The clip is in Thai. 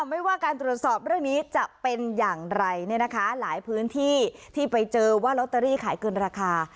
ไม่ว่าการตรวจสอบเรื่องนี้จะเป็นอย่างไรเนี่ยนะคะหลายพื้นที่ที่ไปเจอว่าลอตเตอรี่ขายเกินราคา